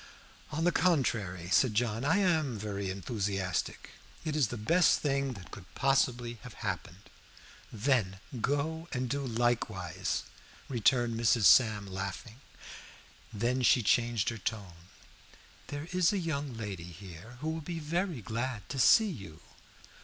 "On the contrary," said John, "I am very enthusiastic. It is the best thing that could possibly have happened." "Then go and do likewise," returned Mrs. Sam, laughing. Then she changed her tone. "There is a young lady here who will be very glad to see you.